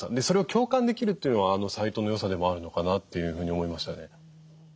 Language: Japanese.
それを共感できるっていうのはあのサイトの良さでもあるのかなというふうに思いましたね。